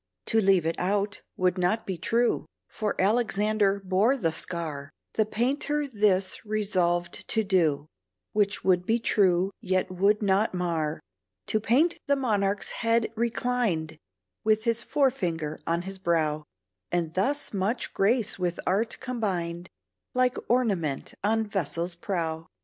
To leave it out would not be true, For Alexander bore the scar; The painter this resolved to do, Which would be true, yet would not mar: To paint the monarch's head reclined, With his fore finger on his brow; And thus much grace with art combined, Like ornament on vessel's prow.